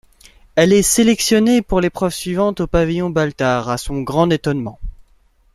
Elle est sélectionnée pour l'épreuve suivante au pavillon Baltard à son grand étonnement.